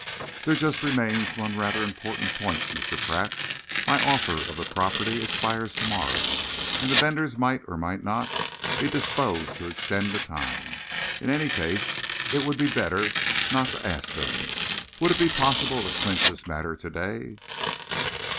There just remains one rather important point, Mr. Pratt. My offer of the property expires to morrow, and the vendors might or might not be disposed to extend the time. In any case, it would be better not to ask them. Would it be possible to clinch this matter to day?"